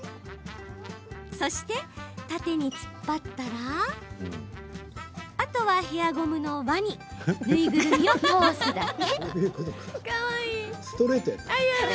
そして、縦に突っ張ったらあとは、ヘアゴムの輪に縫いぐるみを通すだけ。